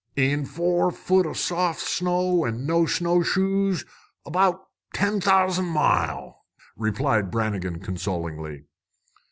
"In four foot o' soft snow, an' no snowshoes, about ten thousan' mile!" replied Brannigan consolingly.